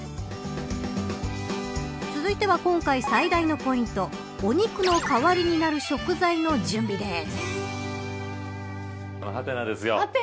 続いては今回最大のポイントお肉の代わりになる食材の準備です。